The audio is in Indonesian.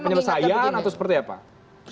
penyelesaian atau seperti apa